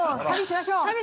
◆旅しましょう！